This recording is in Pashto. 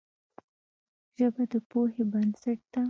ژبه د پوهې بنسټ ده